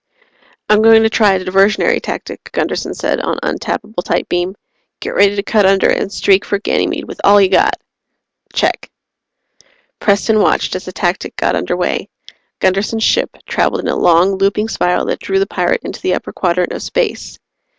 "I'm going to try a diversionary tactic," Gunderson said on untappable tight beam. "Get ready to cut under and streak for Ganymede with all you got." "Check." Preston watched as the tactic got under way. Gunderson's ship traveled in a long, looping spiral that drew the pirate into the upper quadrant of space.